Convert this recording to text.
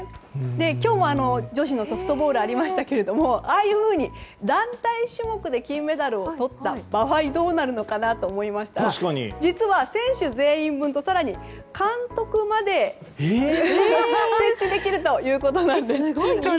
今日も女子のソフトボールがありましたがああいうふうに団体種目で金メダルをとった場合はどうなるのかなと思いましたら実は、選手全員分と更に監督分まで設置できるということです。